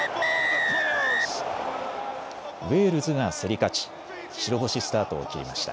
ウェールズが競り勝ち白星スタートを切りました。